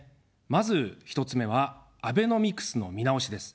まず１つ目は、アベノミクスの見直しです。